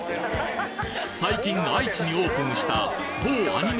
最近愛知にオープンした某アニメ